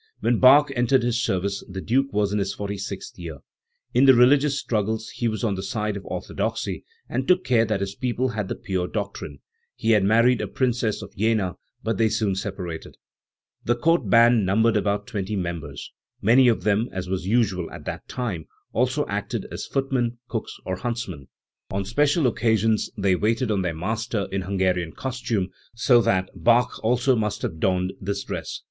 When Bach entered his service the Duke was in his forty sixth year. In the religious struggles he was on the side of orthodoxy, and took care that his people had the pure doctrine. He had married a Princess of Jena, but they soon separated. The court band numbered about twenty members. Many of them as was usual at that time, also acted as footmen, cooks or huntsmen. On special occasions they waited on their master in Hungarian costume; so that Bach also must have donned this dress f.